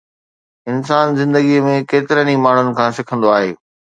انسان زندگيءَ ۾ ڪيترن ئي ماڻهن کان سکندو آهي